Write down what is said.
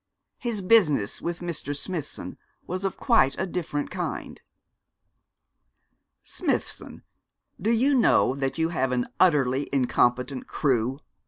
His business with Mr. Smithson was of quite a different kind. 'Smithson, do you know that you have an utterly incompetent crew?'